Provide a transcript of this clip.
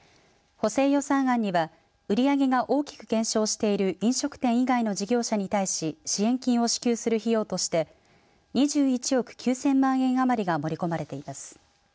補正予算案には売り上げが大きく減少している飲食店以外の事業者に対し支援金を支給する費用として２１億９０００万円余りが盛り込まれています。